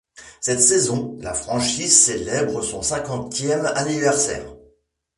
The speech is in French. Cette saison, la franchise célèbre son cinquantième anniversaire.